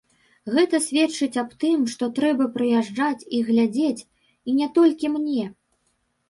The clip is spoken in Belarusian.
Гэта сведчыць аб тым, што трэба прыязджаць і глядзець, і не толькі мне.